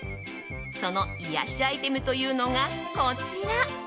その癒やしアイテムというのがこちら。